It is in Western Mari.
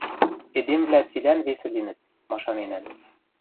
Эдемвлӓ цилӓн весӹ линӹт, машаненӓм.